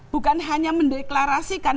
bukan hanya mendeklarasikan